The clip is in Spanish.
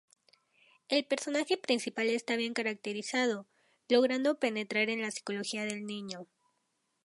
El personaje principal está bien caracterizado, logrando penetrar en la psicología del niño.